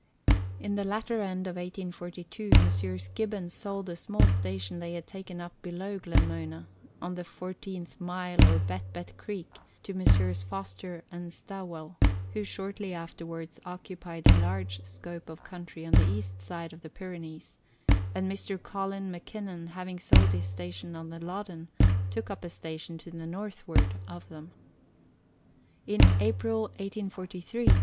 In the latter end of 1842 Messrs. Gibbon sold a small station they had taken up below Glenmona on the Fourteen Mile or Bet Bet Creek to Messrs. Foster and Stawell, who shortly afterwards occupied a large scope of country on the east side of the Pyrenees ; and Mr. Colin Mackinnon having sold his station on the Loddon, took up a station to the northward of them, In April 1843 I Letters from Victorian Pioneers.